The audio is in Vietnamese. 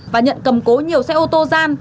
và nhận cầm cố nhiều xe ô tô gian